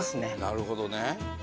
なるほどね。